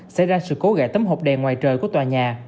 xảy ra sự cố gại tấm hộp đèn ngoài trời của tòa nhà